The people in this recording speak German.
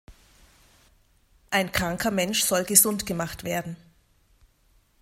Ein kranker Mensch soll gesund gemacht werden.